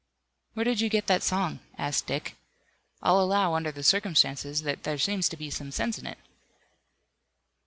"Where did you get that song?" asked Dick. "I'll allow, under the circumstances, that there seems to be some sense in it."